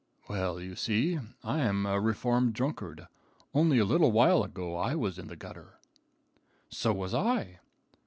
"Well, you see, I'm a reformed drunkard. Only a little while ago I was in the gutter." "So was I."